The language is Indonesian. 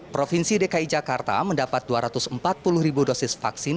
provinsi dki jakarta mendapat dua ratus empat puluh ribu dosis vaksin